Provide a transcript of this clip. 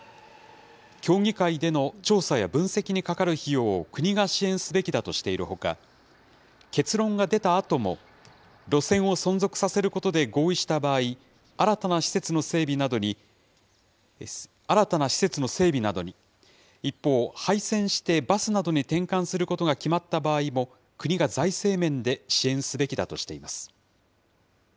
協議会での調査や分析にかかる費用を国が支援すべきだとしているほか、結論が出たあとも、路線を存続させることで合意した場合、新たな施設の整備などに、一方、廃線してバスなどに転換することが決まった場合も、国が財政面で支援すべきだとしています。